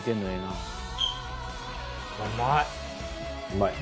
うまい。